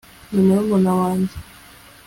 ni murumuna wanjye